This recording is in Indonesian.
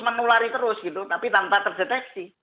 menulari terus gitu tapi tanpa terdeteksi